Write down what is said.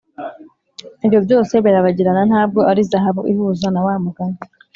ibyo byose birabagirana ntabwo ari zahabu ihuza na wa mugani